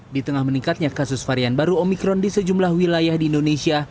di tengah meningkatnya kasus varian baru omikron di sejumlah wilayah di indonesia